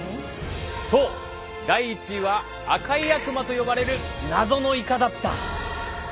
そう第１位は赤い悪魔と呼ばれる謎のイカだった！